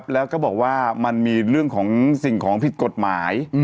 แล้วก็บอกว่ามันมีเรื่องของสิ่งของผิดกฎหมาย